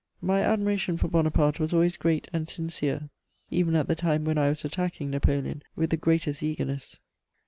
My admiration for Bonaparte was always great and sincere, even at the time when I was attacking Napoleon with the greatest eagerness.